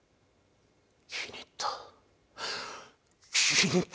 気に入った。